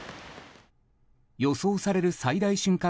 予想される最大瞬間